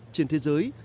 trên thế giới